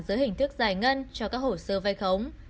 dưới hình thức giải ngân cho các hồ sơ vai khống